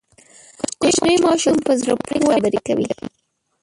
کوچنی ماشوم په زړه پورې خبرې کوي.